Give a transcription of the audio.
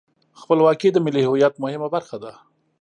خپلواکي د ملي هویت مهمه برخه ده.